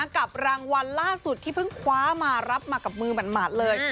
กับรางวัลล่าสุดที่เพิ่งคว้ามารับมากับมือหมาดเลย